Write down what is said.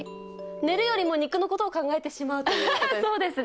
寝るよりも肉のことを考えてそうですね。